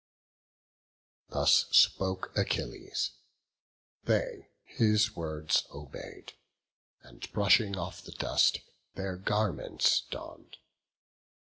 Thus spoke Achilles: they his words obey'd, And brushing off the dust, their garments donn'd.